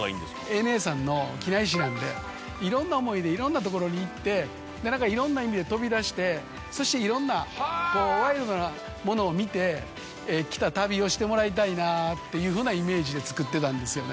ＡＮＡさんの機内誌なんでいろんな思いでいろんな所に行っていろんな意味で飛び出してそしていろんなこうワイルドなものを見てきた旅をしてもらいたいなっていうふうなイメージで作ってたんですよね。